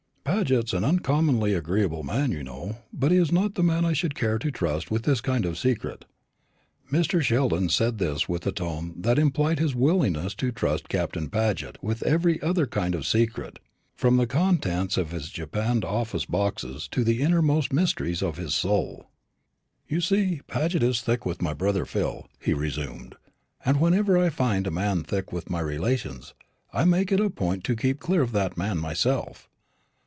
"Paget's an uncommonly agreeable man, you know; but he is not the man I should care to trust with this kind of secret." Mr. Sheldon said this with a tone that implied his willingness to trust Captain Paget with every other kind of secret, from the contents of his japanned office boxes to the innermost mysteries of his soul. "You see Paget is thick with my brother Phil," he resumed; "and whenever I find a man thick with my relations, I make it a point to keep clear of that man myself.